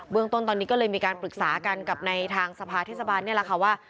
เรื่องต้นตอนนี้ก็เลยมีการปรึกษากันกับในทางสภาเทศบาลนี่แหละค่ะว่า